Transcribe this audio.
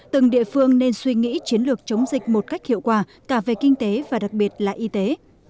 từng địa phương nên suy nghĩ chiến lược chống dịch một cách hiệu quả cả về kinh tế và đặc biệt là y tế